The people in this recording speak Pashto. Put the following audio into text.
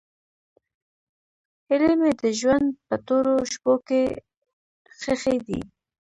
هیلې مې د ژوند په تورو شپو کې ښخې دي.